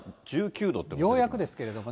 ようやくですけどもね。